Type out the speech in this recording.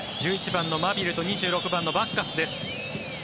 １１番のマビルと２６番のバッカスです。